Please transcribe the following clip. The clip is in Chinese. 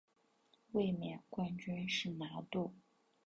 卫冕冠军是拿度。